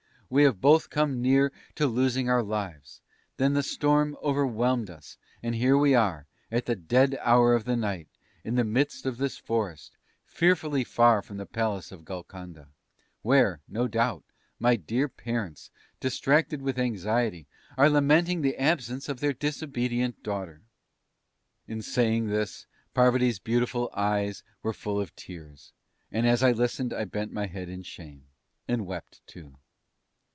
We have both come near to losing our lives; then the storm overwhelmed us, and here we are, at the dead hour of the night, in the midst of this forest, fearfully far from the palace of Golconda where, no doubt, my dear parents, distracted with anxiety, are lamenting the absence of their disobedient daughter!" In saying this Parvati's beautiful eyes were full of tears, and as I listened I bent my head in shame, and wept, too.